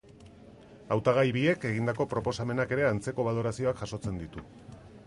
Hautagai biek egindako proposamenak ere antzeko balorazioak jasotzen ditu.